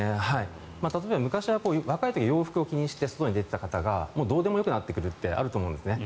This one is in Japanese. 例えば、若い時には洋服を気にして外に出ていた方がどうでもよくなってくるってあると思うんですね。